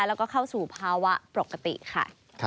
แล้วก็เข้าสู่ภาวะปกติค่ะ